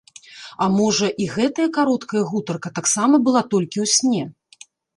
А можа, і гэтая кароткая гутарка таксама была толькі ў сне?